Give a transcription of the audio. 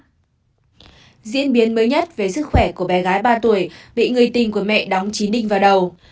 diễn biến mới nhất về sức khỏe của bé gái ba tuổi bị người tình của mẹ đóng chín đinh vào đầu